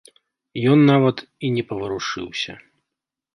Ён нават і не паварушыўся.